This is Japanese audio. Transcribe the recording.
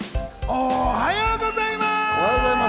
おはようございます。